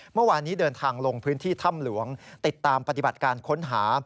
เมื่อวานนี้เดินทางลงพื้นที่ถ้ำหลวงติดตามปฏิบัติการค้นหา